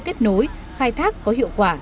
kết nối khai thác có hiệu quả